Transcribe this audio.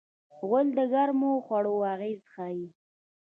غول د ګرمو خوړو اغېز ښيي.